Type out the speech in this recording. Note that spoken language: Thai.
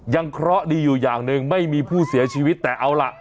เคราะห์ดีอยู่อย่างหนึ่งไม่มีผู้เสียชีวิตแต่เอาล่ะ